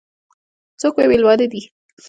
څوک مو مېلمانه دي؟